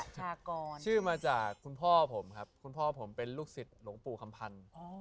ชากรชื่อมาจากคุณพ่อผมครับคุณพ่อผมเป็นลูกศิษย์หลวงปู่คำพันธ์